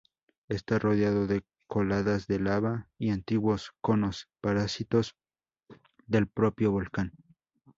Está rodeado de coladas de lava y antiguos conos parásitos del propio volcán.